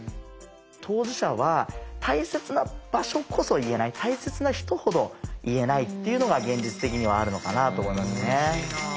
当事者は大切な場所こそ言えない大切な人ほど言えないっていうのが現実的にはあるのかなと思いますね。